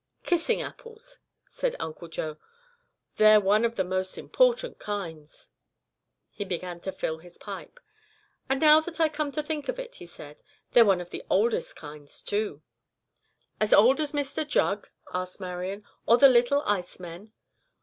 "Kissing apples," said Uncle Joe. "They're one of the most important kinds." He began to fill his pipe. "And now that I come to think of it," he said, "they're one of the oldest kinds too." "As old as Mr Jugg," asked Marian, "or the little ice men?"